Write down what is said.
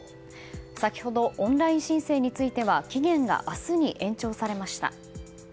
先ほどオンライン申請については期限が明日に延長されました。